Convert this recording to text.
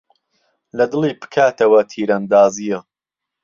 له دڵی پکاتهوه تيرئەندازييه